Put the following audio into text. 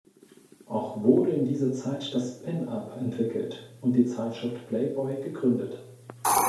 Auch wurde in dieser Zeit das Pin-Up entwickelt und die Zeitschrift "Playboy" gegründet.